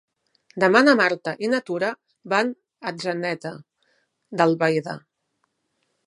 Demà na Marta i na Tura van a Atzeneta d'Albaida.